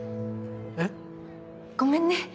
えっ？ごめんね。